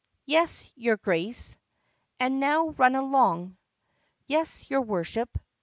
"Yes, your Grace." "And now run along." "Yes, your Worship."